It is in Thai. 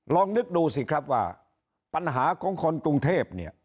ลองนึกดูสิครับว่าปัญหาของคนกรุงเทพเนี่ย